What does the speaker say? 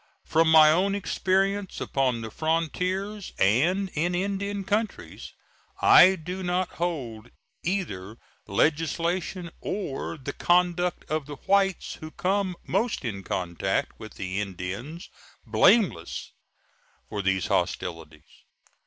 From my own experience upon the frontiers and in Indian countries, I do not hold either legislation or the conduct of the whites who come most in contact with the Indian blameless for these hostilities.